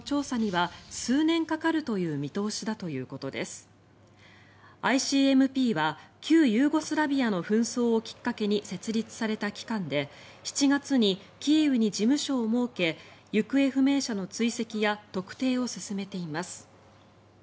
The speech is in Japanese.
ＩＣＭＰは旧ユーゴスラビアの紛争をきっかけに設立された機関で７月にキーウに事務所を設け行方不明者の追跡や特定を進めています。